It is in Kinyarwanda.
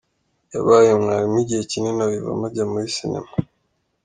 Yabaye mwarimu igihe kinini abivamo ajya muri sinema.